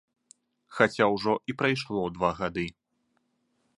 Хаця ўжо і прайшло два гады.